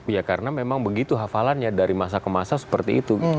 ya karena memang begitu hafalannya dari masa ke masa seperti itu